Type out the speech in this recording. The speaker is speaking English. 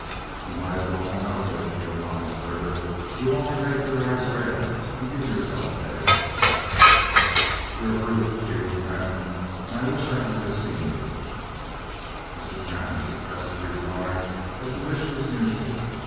"You might as well come out of it," he admonished further. "You'll only make your eyes red and give yourself a headache." "You're a brute, Abram Pantin, and I wish I'd never seen you!" Mr. Pantin suppressed the reply that the wish was mutual.